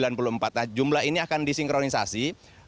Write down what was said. nah jumlah ini akan disinkronisasi